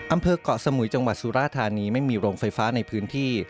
อำเภอกเกาะสมุยจังหวัดสุราธานีไม่มีโรงไฟฟ้าในพื้นที่